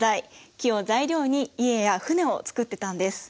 木を材料に家や船を作ってたんです。